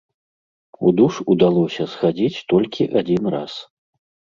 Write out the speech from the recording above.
У душ удалося схадзіць толькі адзін раз.